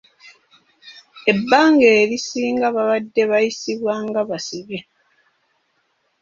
Ebbanga erisinga babadde bayisibwa nga basibe.